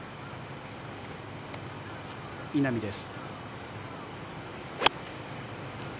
稲見です。